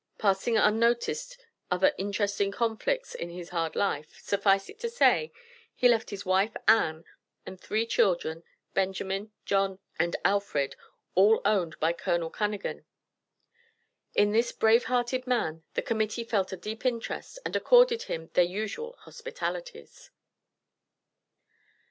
Passing unnoticed other interesting conflicts in his hard life, suffice it to say, he left his wife, Ann, and three children, Benjamin, John and Alfred, all owned by Col. Cunnagan. In this brave hearted man, the Committee felt a deep interest, and accorded him their usual hospitalities.